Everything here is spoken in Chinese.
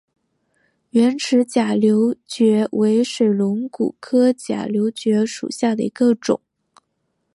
圆齿假瘤蕨为水龙骨科假瘤蕨属下的一个种。